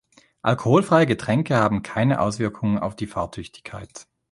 Alkoholfreie Getränke haben keine Auswirkungen auf die Fahrtüchtigkeit.